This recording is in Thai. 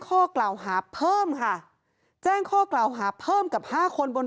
ข้อกล่าวหาเพิ่มค่ะแจ้งข้อกล่าวหาเพิ่มกับห้าคนบน